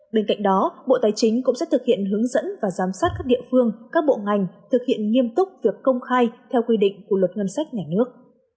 bên cạnh đó bộ tài chính cũng sẽ thực hiện hướng dẫn và giám sát các địa phương các bộ ngành thực hiện nghiêm túc việc công khai theo quy định của luật ngân sách nhà nước